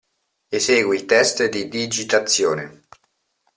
Esegui il test di digitazione.